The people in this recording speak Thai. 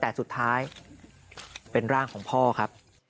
แต่สุดท้ายเป็นร่างของพ่อครับ